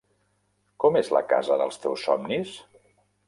Com és la casa dels teus somnis?